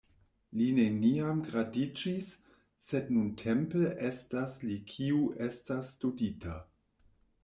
Li neniam gradiĝis, sed nuntempe estas li kiu estas studita.